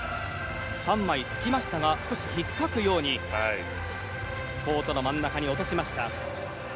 ３枚つきましたが少しひっかくようにコートの真ん中に落としました。